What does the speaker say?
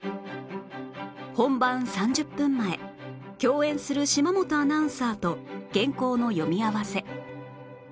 本番３０分前共演する島本アナウンサーと原稿の読み合わせ